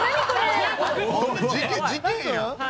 事件やん！